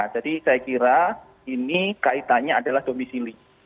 jadi saya kira ini kaitannya adalah domisili